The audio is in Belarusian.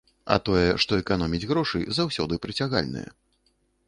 А тое, што эканоміць грошы, заўсёды прыцягальнае.